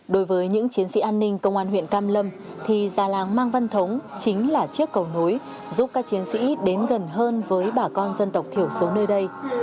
đối với những chiến sĩ an ninh công an huyện cam lâm thì già làng mang văn thống chính là chiếc cầu nối giúp các chiến sĩ đến gần hơn với bà con dân tộc thiểu số nơi đây